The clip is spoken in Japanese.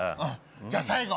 じゃあ最後。